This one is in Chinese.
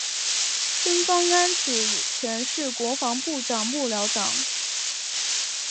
孙芳安此前是国防部长幕僚长。